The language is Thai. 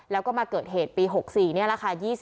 แล้วก็มาเกิดเหตุปี๖๔นี่แหละค่ะ